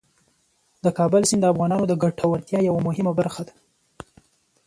د کابل سیند د افغانانو د ګټورتیا یوه مهمه برخه ده.